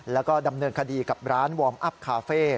แล้วก็ดำเนินคดีกับร้านวอร์มอัพคาเฟ่